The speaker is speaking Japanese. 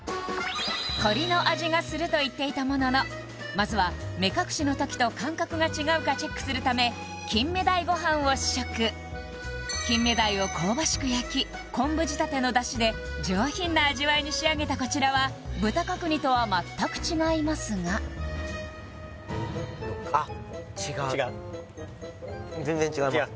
鶏の味がすると言っていたもののまずはするため金目鯛ごはんを試食金目鯛を香ばしく焼き昆布仕立ての出汁で上品な味わいに仕上げたこちらは豚角煮とは全く違いますがあっ違う違う？